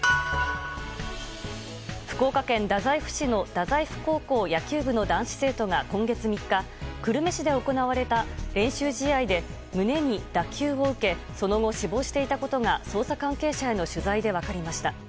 福岡県太宰府市の太宰府高校野球部の男子生徒が今月３日久留米市で行われた練習試合で胸に打球を受けその後、死亡していたことが捜査関係者への取材で分かりました。